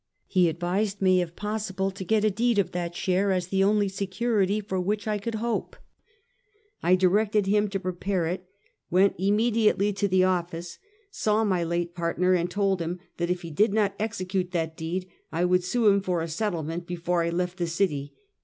He advised me, if possible, to get a deed of that share as the only security for which I could hope. I directed him to prepare it, went im mediately to the oflice, saw my late partner, and told him that if he did not execute that deed, I would sue him for a settlement before I left the city.